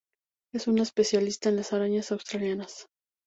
Es una especialista en las arañas australianas.